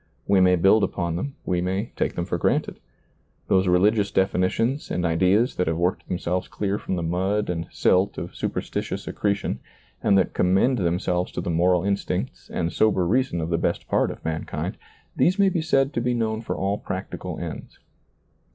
We may build upon them, we may take them for granted. Those religious ^lailizccbvGoOgle 12 SEEING DARKLY definitions and ideas that have worked themselves clear from the mud and silt of superstitious accre tion and that commend themselves to the moral instincts and sober reason of the best part of mankind, these may be said to be known for all practical ends.